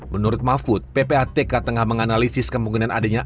menurut mahfud ppatk tengah menganalisis kemungkinan adanya